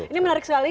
ini menarik sekali